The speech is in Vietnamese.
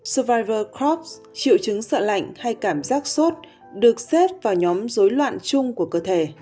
survivor crops triệu chứng sợ lạnh hay cảm giác sốt được xếp vào nhóm dối loạn chung của cơ thể